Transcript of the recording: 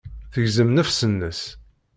Tegzem nnefs-nnes.